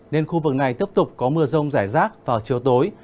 nên khu vực này tiếp tục có mưa rông rải rác vào chiều tối